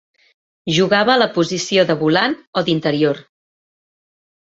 Jugava a la posició de volant o d'interior.